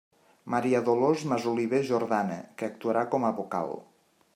Maria Dolors Masoliver Jordana, que actuarà com a vocal.